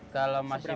kalau masih masih